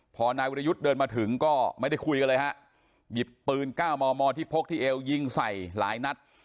พอนายวิรยุทธ์เดินมาถึงก็ไม่ได้คุยกันเลยฮะหยิบปืน๙มมที่พกที่เอวยิงใส่หลายนัด